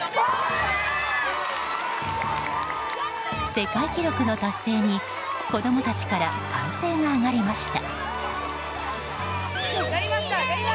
世界記録の達成に子供たちから歓声が上がりました。